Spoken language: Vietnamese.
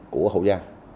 của hậu giang